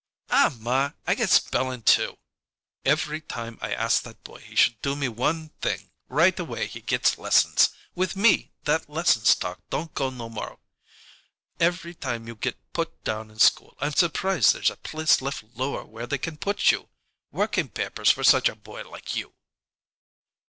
"Aw, ma, I got spelling, too." "Every time I ask that boy he should do me one thing, right away he gets lessons! With me, that lessons talk don't go no more. Every time you get put down in school, I'm surprised there's a place left lower where they can put you. Working papers for such a boy like you!"